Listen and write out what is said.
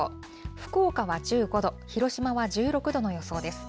福岡は１５度、広島は１６度の予想です。